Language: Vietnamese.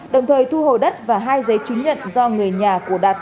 đồng thời thu hồi đất và hai giấy chứng nhận do người nhà của đạt